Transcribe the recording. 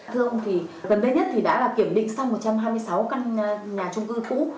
thưa ông thì gần đây nhất thì đã là kiểm định xong một trăm hai mươi sáu căn nhà trung cư cũ